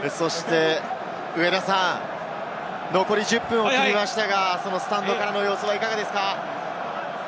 上田さん、残り１０分を切りましたが、スタンドからの様子はいかがですか？